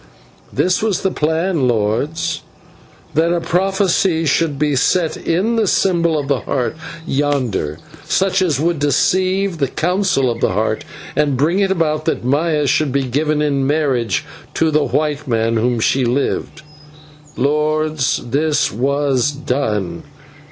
This was the plan, lords: that a prophecy should be set in the symbol of the Heart yonder, such as would deceive the Council of the Heart, and bring it about that Maya should be given in marriage to the white man whom she loved. Lords, this was done.